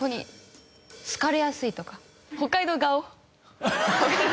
北海道顔。